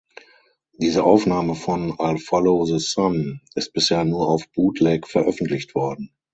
Diese Aufnahme von "I’ll Follow the Sun" ist bisher nur auf Bootleg veröffentlicht worden.